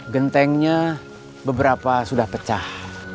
gentengnya beberapa sudah pecah